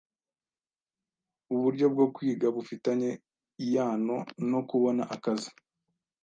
uburyo bwo kwiga bufitanye iano no kubona akazi